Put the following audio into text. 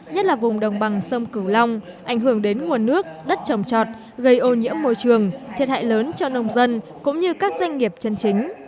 nhất là vùng đồng bằng sông cửu long ảnh hưởng đến nguồn nước đất trồng trọt gây ô nhiễm môi trường thiệt hại lớn cho nông dân cũng như các doanh nghiệp chân chính